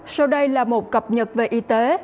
sau đây là một cập nhật về y tế